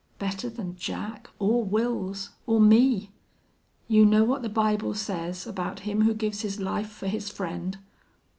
Better than Jack, or Wils, or me! You know what the Bible says about him who gives his life fer his friend.